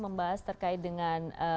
membahas terkait dengan